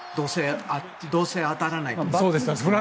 どうせ、当たらないから。